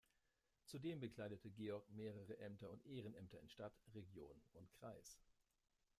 Zudem bekleidete Georg mehrere Ämter und Ehrenämter in Stadt, Region und Kreis.